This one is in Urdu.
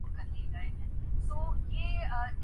کوئی انسان ڈوب بھی نہیں سکتا